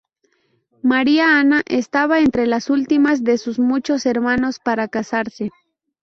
María Ana estaba entre las últimas de sus muchos hermanos para casarse.